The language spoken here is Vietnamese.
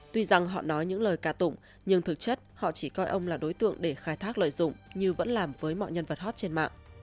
tuy rằng họ nói những lời ca tụng nhưng thực chất họ chỉ coi ông là đối tượng để khai thác lợi dụng như vẫn làm với mọi nhân vật hot trên mạng